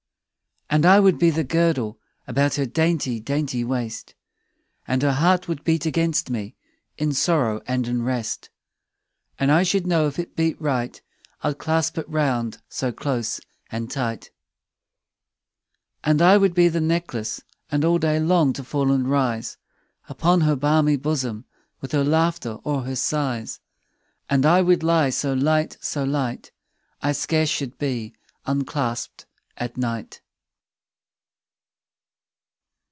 And I would be the girdle About her dainty dainty waist, And her heart would beat against me, In sorrow and in rest: 10 And I should know if it beat right, I'd clasp it round so close and tight. And I would be the necklace, And all day long to fall and rise Upon her balmy bosom, 15 With her laughter or her sighs: And I would lie so light, so light, I scarce should be unclasp'd at night.